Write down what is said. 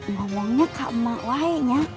ngomongnya kak mak lainnya